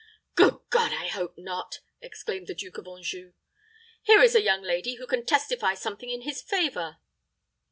"Good God! I hope not," exclaimed the Duke of Anjou. "Here is a young lady who can testify something in his favor."